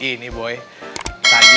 ini boy tadi abis ngejenguk bu devi